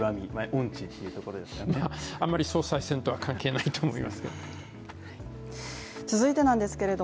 あまり総裁選とは関係ないと思いますけど。